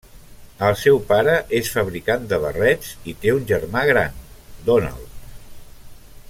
El seu pare és fabricant de barrets i té un germà gran, Donald.